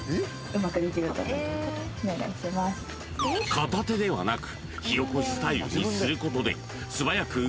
［片手ではなく］